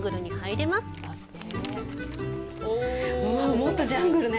もっとジャングルね。